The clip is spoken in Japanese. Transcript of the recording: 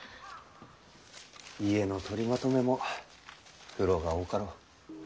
家の取りまとめも苦労が多かろう。